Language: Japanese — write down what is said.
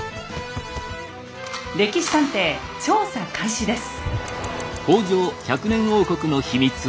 「歴史探偵」調査開始です。